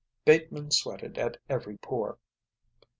Bateman sweated at every pore.